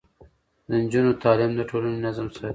د نجونو تعليم د ټولنې نظم ساتي.